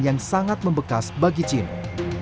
yang sangat membekas bagi cino